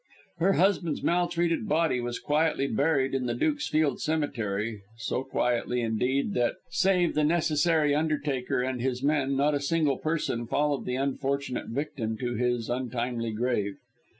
Her husband's maltreated body was quietly buried in the Dukesfield cemetery, so quietly, indeed, that, save the necessary undertaker and his men, not a single person followed the unfortunate victim to his untimely grave.